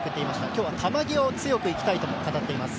今日は球際を強くいきたいと語っています。